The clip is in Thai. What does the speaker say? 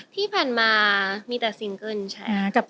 ที่ผ่านมามีแต่ซิงเกิ้ลใช่ไหม